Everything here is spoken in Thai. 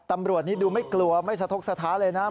ตำรวจนี้ดูไม่กลัวไม่สะทกสถานเลยนะ